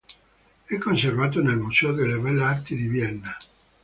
È conservato nel Museo delle Belle Arti di Vienna.